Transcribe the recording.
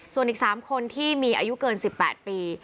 ส่วนอีก๓คนที่มีอายุเกิน๑๘ปี